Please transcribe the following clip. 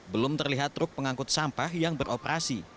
belum terlihat truk pengangkut sampah yang beroperasi